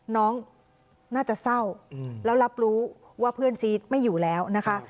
น้องน่าจะเศร้าแล้วรับรู้ว่าเพื่อนซีสไม่อยู่แล้วนะคะ